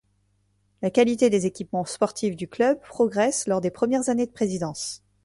La qualité des équipements sportifs du club progressent lors des premières années de présidence.